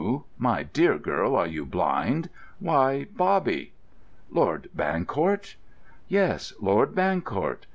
_ My dear girl, are you blind! Why, Bobby!" "Lord Bancourt?" "Yes, 'Lord Bancourt'!